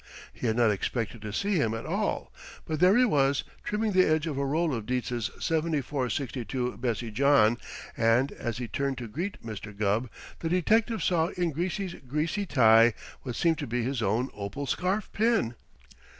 He had not expected to see him at all. But there he was, trimming the edge of a roll of Dietz's 7462 Bessie John, and as he turned to greet Mr. Gubb, the detective saw in Greasy's greasy tie what seemed to be his own opal scarf pin.